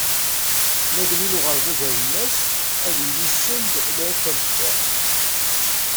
Ma d win n uɣerbaz alemmas, ad d-yili send lɛid tamecṭuḥt.